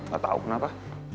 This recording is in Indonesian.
gak tau kenapa